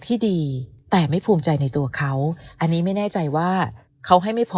ที่ดีแต่ไม่ภูมิใจในตัวเขาอันนี้ไม่แน่ใจว่าเขาให้ไม่พอ